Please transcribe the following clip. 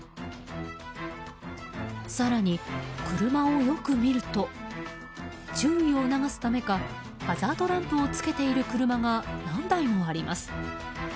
更に、車をよく見ると注意を促すためかハザードランプをつけている車が何台もあります。